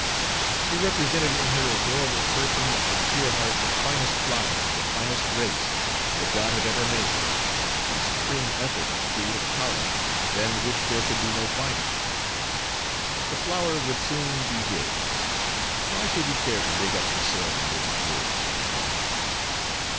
She represented in her adorable person and her pure heart the finest flower of the finest race that God had ever made the supreme effort of creative power, than which there could be no finer. The flower would soon be his; why should he care to dig up the soil in which it grew?